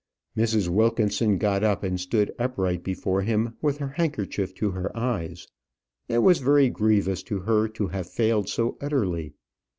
Mrs. Wilkinson got up, and stood upright before him, with her handkerchief to her eyes. It was very grievous to her to have failed so utterly.